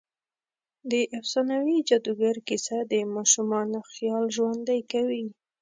د افسانوي جادوګر کیسه د ماشومانو خيال ژوندۍ کوي.